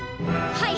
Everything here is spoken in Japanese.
はい！